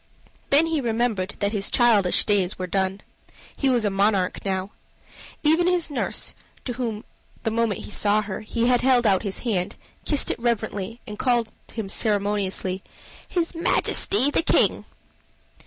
Then he remembered that his childish days were done. He was a monarch now. Even his nurse, to whom, the moment he saw her, he had held out his hand, kissed it reverently, and called him ceremoniously "his Majesty the King."